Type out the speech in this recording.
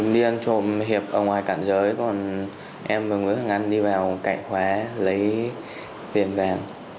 đi ăn trộm hiệp ở ngoài cản giới còn em và nguyễn hoàng anh đi vào cạnh khóa lấy tiền vàng